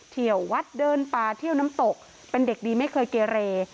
เที่ยววัดเดินป่าเที่ยวน้ำตกเป็นเด็กดีไม่เคยเกเร